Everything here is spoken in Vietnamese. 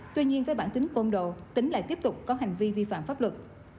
tuy nhiên với bản tính công độ tính lại tiếp tục có hành vi vi phạm pháp luật